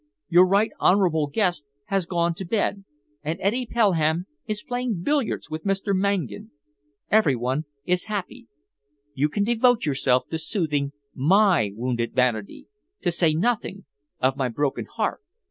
Your Right Honourable guest has gone to bed, and Eddy Pelham is playing billiards with Mr. Mangan. Every one is happy. You can devote yourself to soothing my wounded vanity, to say nothing of my broken heart."